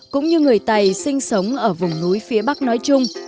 cũng như người tày sinh sống ở vùng núi phía bắc nói chung